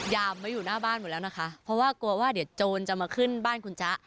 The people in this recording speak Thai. ยามไว้อยู่หน้าบ้านหมดแล้วนะคะเพราะว่ากลัวว่าเดี๋ยวโจรจะมาขึ้นบ้านคุณจ๊ะ